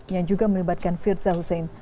yang juga melibatkan firza husein